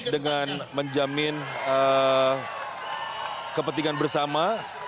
dengan menjamin kepentingan bersama